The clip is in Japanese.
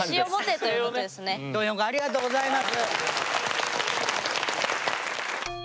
ドヨン君ありがとうございます。